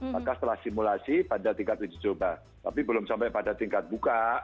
maka setelah simulasi pada tingkat uji coba tapi belum sampai pada tingkat buka